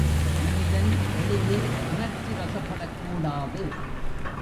மனிதன் எளிதில் உணர்ச்சிவசப்படக் கூடாது.